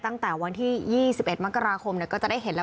ตั้งแต่วันที่๒๑มกราคมก็จะได้เห็นแล้ว